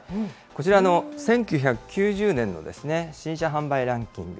こちら、１９９０年の新車販売ランキング。